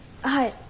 はい。